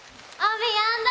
ねやんだ！